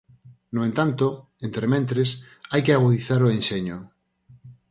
No entanto, entrementres, "hai que agudizar o enxeño".